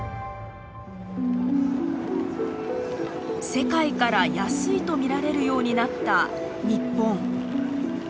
世界から安いと見られるようになった日本。